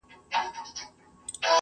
پوهه د ذهن دروازې پرانیزي.